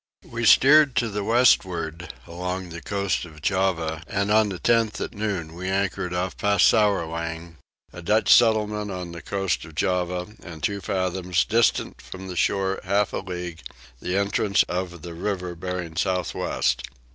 We steered to the westward along the coast of Java and on the 10th at noon we anchored off Passourwang, a Dutch settlement on the coast of Java, in two fathoms, distant from the shore half a league, the entrance of the river bearing south west.